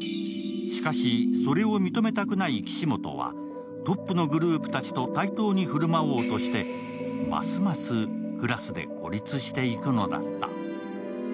しかしそれを認めたくない岸本は、トップのグループたちと対等に振る舞おうとしてますますクラスで孤立していくのだった。